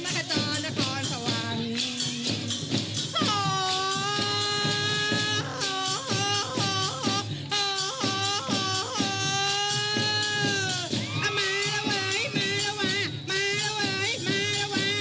มาแล้วว่ามาแล้วว่ามาแล้วว่ามาแล้วว่า